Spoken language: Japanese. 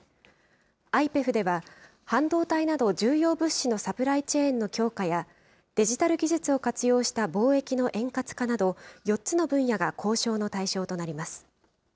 ＩＰＥＦでは半導体など、重要物資のサプライチェーンの強化や、デジタル技術を活用した貿易の円滑化など、４つの分野が交渉の対象となります。